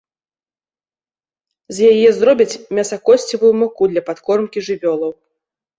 З яе зробяць мясакосцевую муку для падкормкі жывёлаў.